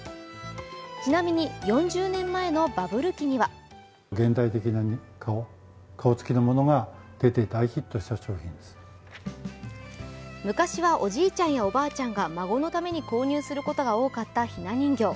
ちなみに４０年前のバブル期には昔はおじいちゃんやおばあちゃんが孫のために購入することが多かったひな人形。